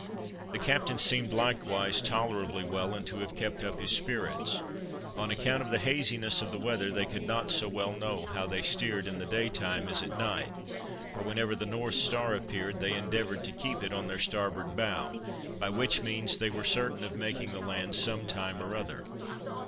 The captain seemed likewise tolerably well, and to have kept up his spirits. On account of the haziness of the weather, they could not so well know how they steered in the day time as at night; for, whenever the North star appeared, they endeavored to keep it on their starboard bow, by which means they were certain of making the land some time or other.